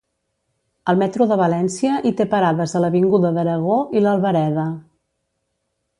El metro de València hi té parades a l'avinguda d'Aragó i l'Albereda.